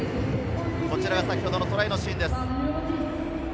こちらが先ほどのトライのシーンです。